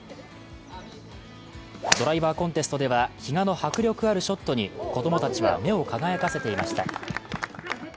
ドライバーコンテストでは、比嘉の迫力あるショットに子供たちは目を輝かせていました。